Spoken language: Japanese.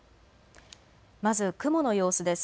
まず雲の様子です。